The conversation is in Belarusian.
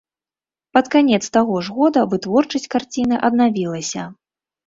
Пад канец таго ж года вытворчасць карціны аднавілася.